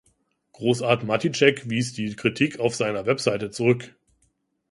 Grossarth-Maticek wies die Kritik auf seiner Website zurück.